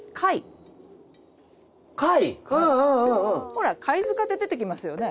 ほら貝塚って出てきますよね。